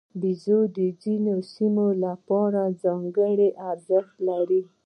بیزو د ځینو سیمو لپاره ځانګړی ارزښت لري.